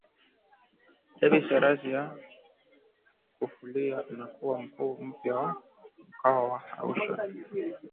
David Zacharia Kafulila anakuwa Mkuu mpya wa mkoa wa Arusha